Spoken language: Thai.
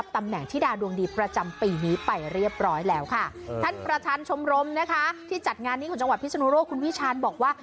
ทางชมรมที่จัดงานนี้ของจังหวัดพิษนุโรคคุณพี่ชาญบอกว่า